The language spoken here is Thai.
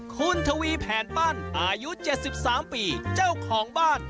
คุณทวีแผนปั้นอายุ๗๓ปีเจ้าของบ้าน